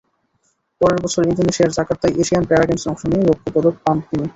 পরের বছর ইন্দোনেশিয়ার জাকার্তায় এশিয়ান প্যারা গেমসে অংশ নিয়ে রৌপ্য পদক পান তিনি।